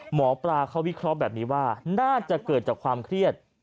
หมอปลาเขาวิเคราะห์แบบนี้ว่าน่าจะเกิดจากความเครียด